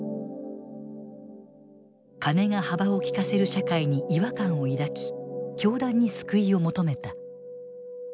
金が幅を利かせる社会に違和感を抱き教団に救いを求めた。